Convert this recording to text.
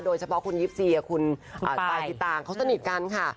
โดยเฉพาะคุณยิปซีกับคุณตายสิตางเขาสนิทกันค่ะ